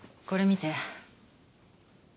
これ見て。